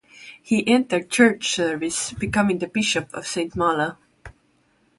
He entered Church service, becoming the Bishop of Saint-Malo.